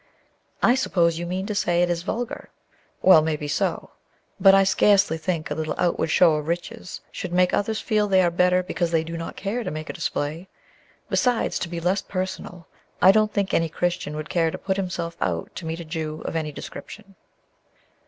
"I suppose you mean to say it is vulgar; well, maybe so. But I scarcely think a little outward show of riches should make others feel they are better because they do not care to make a display. Besides, to be less personal, I don't think any Christian would care to put himself out to meet a Jew of any description."